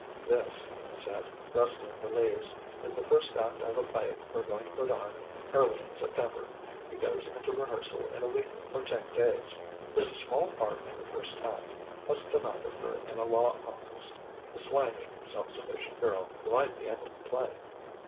"This," he said, rustling the leaves, "is the first act of a play we're going to put on early in September. It goes into rehearsal in a week or ten days. There's a small part in the first act a stenographer in a law office a slangy, self sufficient girl you might be able to play.